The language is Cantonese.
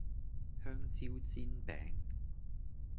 香蕉煎餅